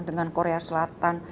dengan korea selatan